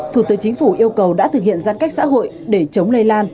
thủ tướng chính phủ yêu cầu đã thực hiện giãn cách xã hội để chống lây lan